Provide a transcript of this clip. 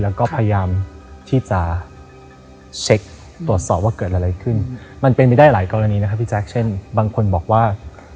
แล้วก็พยายามที่จะเช็คตรวจสอบว่าเกิดอะไรขึ้นมันเป็นไปได้หลายกรณีนะครับพี่แจ๊คเช่นบางคนบอกว่า